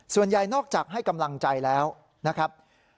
ส่วนใหญ่นอกจากให้กำลังใจแล้วนะครับ